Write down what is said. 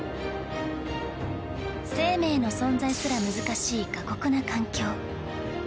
生命の存在すら難しい過酷な環境。